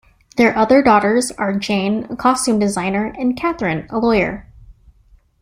Their other daughters are Jane, a costume designer, and Catherine, a lawyer.